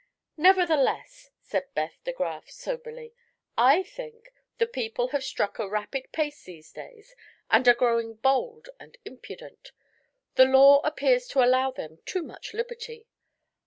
"Nevertheless," said Beth de Graf, soberly, "I think the people have struck a rapid pace these days and are growing bold and impudent. The law appears to allow them too much liberty.